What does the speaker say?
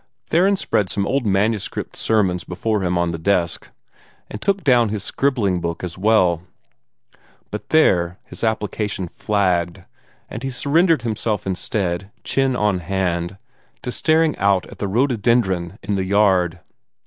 Theron spread some old manuscript sermons before him on his desk, and took down his scribbling book as well. But there his application flagged, and he surrendered himself instead, chin on hand, to staring out at the rhododendron in the yard.